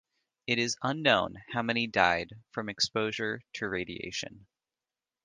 It is unknown how many died from exposure to radiation.